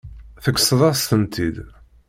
Tekkseḍ-as-tent-id.